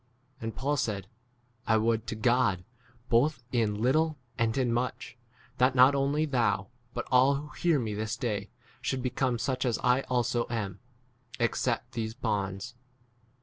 And Paul said, I would to God, both in little and in much, that not only thou, but all who hear me this day, should become such as I also 30 am, except these bonds.